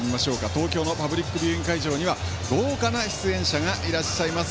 東京のパブリックビューイング会場には豪華な出演者がいらっしゃいます。